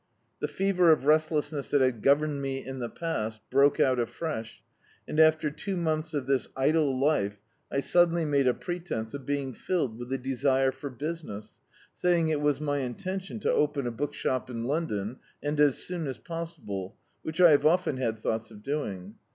The fever of restlessness that had governed me in the past, broke out afresh, and after two months of this idle life, I suddenly made a pretence of being filled with a desire for business, saying it was my intention to open a bookshop in London, and as soon as possible, whidi I have often had thoughts of doing.